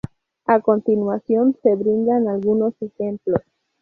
A continuación se brindan algunos ejemplos.